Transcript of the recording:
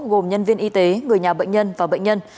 gồm nhân viên y tế người nhà bệnh nhân và bệnh nhân